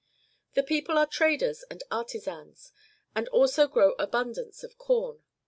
"^] The people are traders and artizans, and also grow abundance of corn.